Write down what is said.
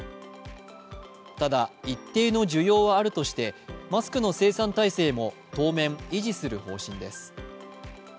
ただ一定の需要はあるとしてマスクの生産体制も当面、維持する方針です。